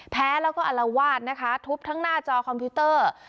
แพ้และอลวาสทุบทั้งหน้าจอคอมพิวเตอร์